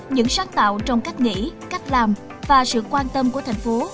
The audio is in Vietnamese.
những sáng tạo trong cách nghĩ cách làm và sự quan tâm của thành phố